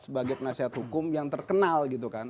sebagai penasihat hukum yang terkenal gitu kan